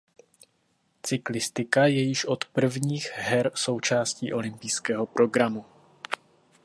Cyklistika je již od prvních her součástí olympijského programu.